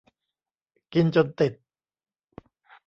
กินจนติด